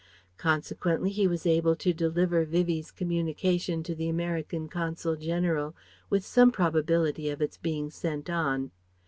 Consequently he was able to deliver Vivie's communication to the American Consul General with some probability of its being sent on.